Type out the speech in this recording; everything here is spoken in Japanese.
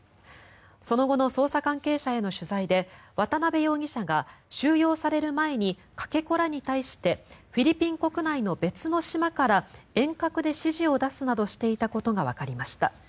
その後の捜査関係者への取材で渡邉容疑者が収容される前にかけ子らに対してフィリピン国内の別の島から遠隔で指示を出すなどしていたことがわかりました。